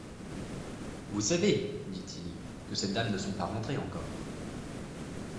Vous savez, dit-il, que ces dames ne sont pas rentrées encore.